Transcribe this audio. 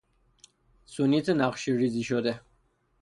سونیت نقشهریزی شده